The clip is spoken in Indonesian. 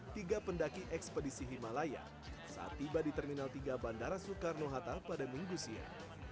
tiga pendaki ekspedisi himalaya saat tiba di terminal tiga bandara soekarno hatta pada minggu siang